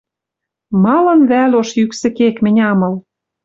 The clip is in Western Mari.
Малын вӓл ош йӱксӹ кек мӹнь ам ыл?